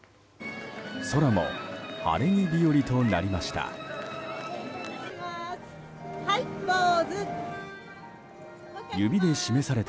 空も晴れ着日和となりました。